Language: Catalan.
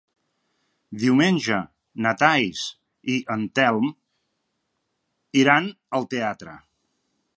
Diumenge na Thaís i en Telm iran al teatre.